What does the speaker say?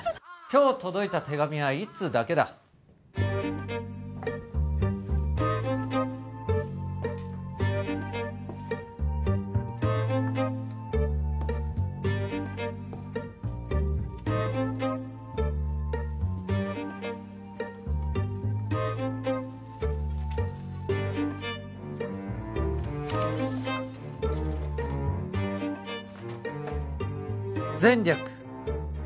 今日届いた手紙は一通だけだ前略